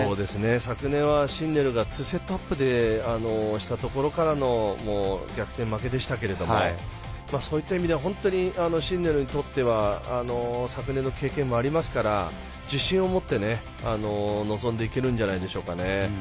昨年はシンネルが逆転負けでしたけどもそういった意味では、本当にシンネルにとっては昨年の経験もありますから自信を持って臨んでいけるんじゃないでしょうか。